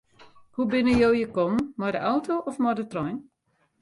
Hoe binne jo hjir kommen, mei de auto of mei de trein?